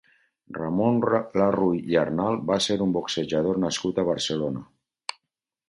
Ramon Larruy i Arnal va ser un boxejador nascut a Barcelona.